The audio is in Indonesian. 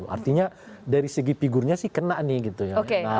artinya dari segi figurnya sih kena nih gitu ya